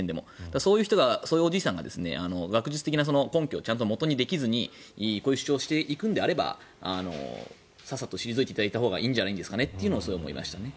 そういう人がそういうおじさんが学術的な根拠をちゃんと元にできずにこういう主張をしていくのであればさっさと退いていただいたほうがいいんじゃないですかねとすごい思いました。